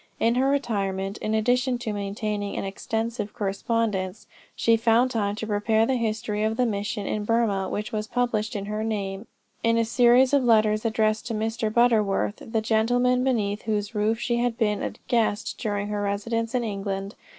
In her retirement, in addition to maintaining an extensive correspondence, she found time to prepare the history of the mission in Burmah which was published in her name, in a series of letters addressed to Mr. Butterworth, the gentleman beneath whose roof she had been a guest during her residence in England.